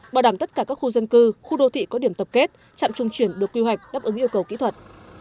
bảo đảm tất cả các khu dân cư khu đô thị có điểm tập kết trạm trung chuyển được quy hoạch đáp ứng yêu cầu kỹ thuật